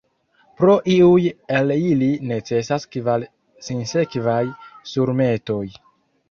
Pro iuj el ili necesas kvar sinsekvaj surmetoj.